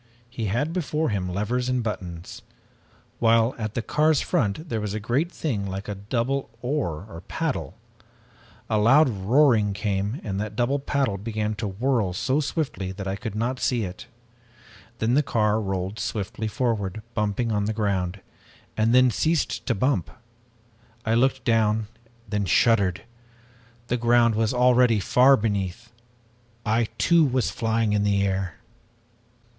He had before him levers and buttons, while at the car's front was a great thing like a double oar or paddle. A loud roaring came and that double blade began to whirl so swiftly that I could not see it. Then the car rolled swiftly forward, bumping on the ground, and then ceased to bump. I looked down, then shuddered. The ground was already far beneath! I too, was flying in the air!